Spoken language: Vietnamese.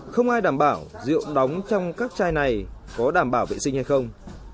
không ai đảm bảo rượu đóng trong các chai này có đảm bảo vệ sinh hay không